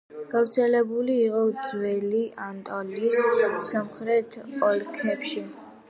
გავრცელებული იყო ძველი ანატოლიის სამხრეთ ოლქებში.